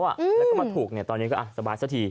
แล้วมาถูกตอนนี้ก็สบายเจ้าที